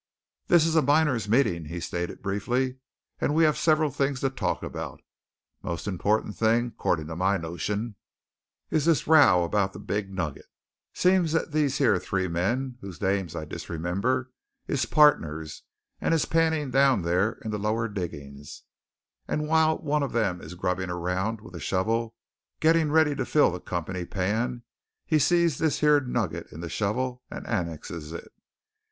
"This is a miners' meeting," he stated briefly. "And we have several things to talk about. Most important thing, 'cordin' to my notion, is this row about that big nugget. Seems these yere three men, whose names I disremember, is partners and is panning down there in the lower diggings, and while one of them is grubbing around with a shovel getting ready to fill the company pan, he sees this yere nugget in the shovel, and annexes it.